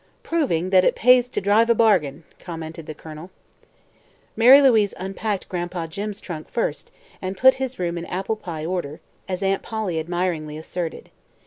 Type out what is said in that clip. "Proving that it pays to drive a bargain," commented the Colonel. Mary Louise unpacked Gran'pa Jim's trunk first and put his room in "apple pie order," as Aunt Polly admiringly asserted.